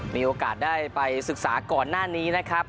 มีโอกาสได้ไปศึกษาก่อนหน้านี้นะครับ